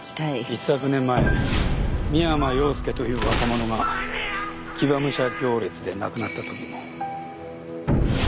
一昨年前三山陽介という若者が騎馬武者行列で亡くなったときも。